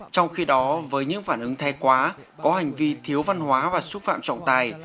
trong khi đó với những phản ứng thay quá có hành vi thiếu văn hóa và xúc phạm trọng tài